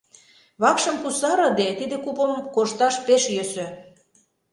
Вакшым кусарыде, тиде купым кошташ пеш йӧсӧ...